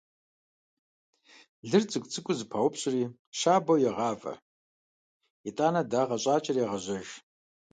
Лыр цӀыкӀу-цӀыкӀуу зэпаупщӀри щабэу ягъавэ, итӀанэ дагъэ щӀакӀэри ягъажьэж.